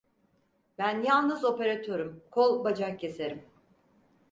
Ben yalnız operatörüm, kol, bacak keserim.